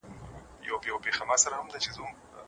کينه او دښمني د پرمختګ مخه نيسي.